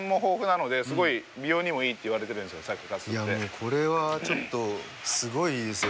これはちょっとすごいいいですよ。